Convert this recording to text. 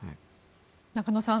中野さん